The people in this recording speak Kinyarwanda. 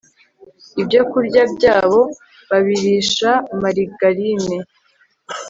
ibyokurya byabo babirisha marigarine